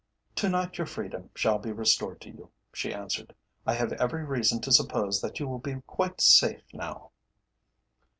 "To night your freedom shall be restored to you," she answered. "I have every reason to suppose that you will be quite safe now."